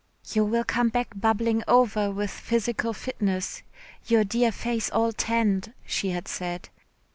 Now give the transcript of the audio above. "You will come back bubbling over with physical fitness, your dear face all tanned," she had said.